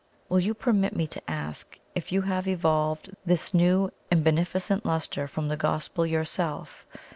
Will you permit me to ask if you have evolved this new and beneficent lustre from the Gospel yourself?